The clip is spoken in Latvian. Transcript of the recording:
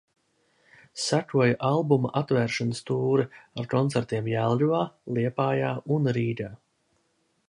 Sekoja albuma atvēršanas tūre ar koncertiem Jelgavā, Liepājā un Rīgā.